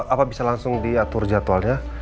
apa bisa langsung diatur jadwalnya